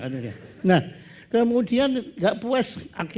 nah kemudian tidak puas